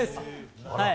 はい。